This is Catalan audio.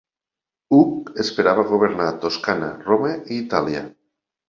Hug esperava governar Toscana, Roma, i Itàlia.